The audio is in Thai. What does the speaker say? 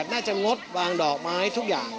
น่าจะงดวางดอกไม้ทุกอย่าง